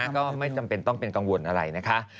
ก็ไม่จำเป็นต้องเป็นกังวลอะไรนะคะ